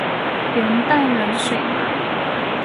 圆瓣冷水麻